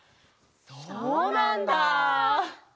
そうなんだ！